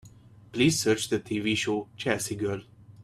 Please search the TV show Chelsea Girl.